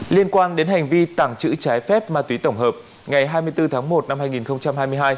liên quan đến hành vi tàng trữ trái phép ma túy tổng hợp ngày hai mươi bốn tháng một năm hai nghìn hai mươi hai